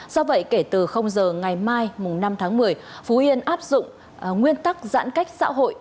do vậy kể từ giờ ngày mai năm tháng một mươi phú yên áp dụng nguyên tắc giãn cách xã hội